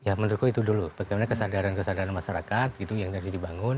ya menurutku itu dulu bagaimana kesadaran kesadaran masyarakat gitu yang tadi dibangun